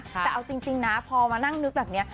แต่เอาจริงนะพอมานั่งนึกแบบนี้